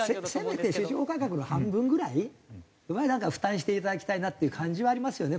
せめて市場価格の半分ぐらいは負担していただきたいなっていう感じはありますよね